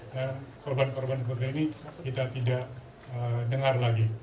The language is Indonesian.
dan korban korban seperti ini kita tidak dengar lagi